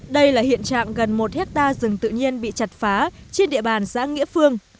đây là hiện trạng gần một hectare rừng tự nhiên bị chặt phá trên địa bàn xã nghĩa phương